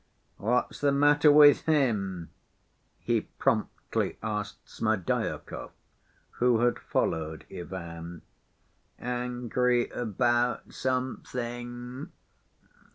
"What's the matter with him?" he promptly asked Smerdyakov, who had followed Ivan. "Angry about something.